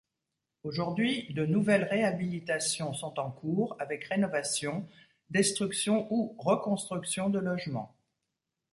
Aujourd'hui, de nouvelles réhabilitations sont en cours avec rénovations, destruction ou reconstruction de logements.